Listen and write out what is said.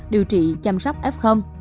điều trị chăm sóc f